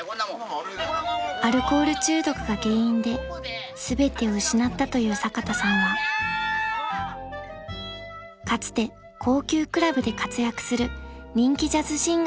［アルコール中毒が原因で全てを失ったという坂田さんはかつて高級クラブで活躍する人気ジャズシンガーでした］